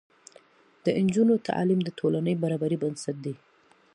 د نجونو تعلیم د ټولنې برابرۍ بنسټ دی.